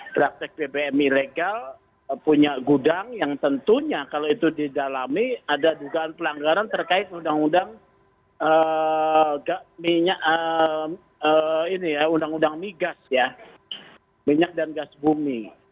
praktek bbm ilegal punya gudang yang tentunya kalau itu didalami ada dugaan pelanggaran terkait undang undang migas ya minyak dan gas bumi